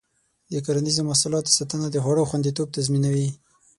د کرنیزو محصولاتو ساتنه د خوړو خوندیتوب تضمینوي.